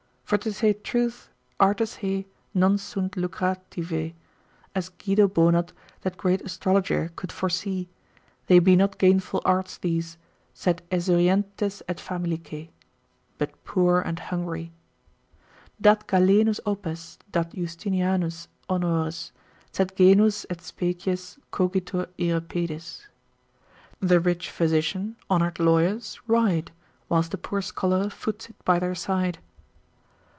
For to say truth, artes hae, non sunt Lucrativae, as Guido Bonat that great astrologer could foresee, they be not gainful arts these, sed esurientes et famelicae, but poor and hungry. Dat Galenus opes, dat Justinianus honores, Sed genus et species cogitur ire pedes: The rich physician, honour'd lawyers ride, Whilst the poor scholar foots it by their side.